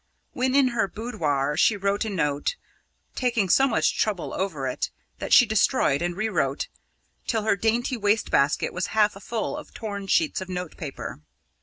When in her boudoir, she wrote a note, taking so much trouble over it that she destroyed, and rewrote, till her dainty waste basket was half full of torn sheets of notepaper.